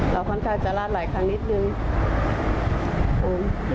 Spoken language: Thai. ค่อนข้างจะลาดหลายครั้งนิดนึง